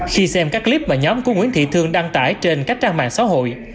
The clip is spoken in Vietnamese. khi xem các clip mà nhóm của nguyễn thị thương đăng tải trên các trang mạng xã hội